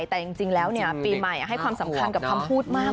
แต่จริงแล้วปีใหม่ให้ความสำคัญกับคำพูดมาก